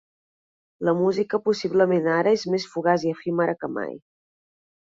La música possiblement ara és més fugaç i efímera que mai.